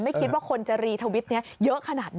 ไม่คิดว่าคนจะรีทวิตนี้เยอะขนาดนี้